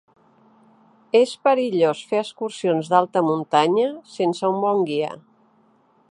És perillós fer excursions d'alta muntanya sense un bon guia.